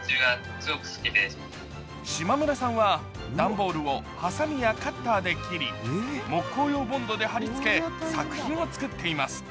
島村さんは段ボールをはさみやカッターで切り木工用ボンドで貼りつけ、作品を作っています。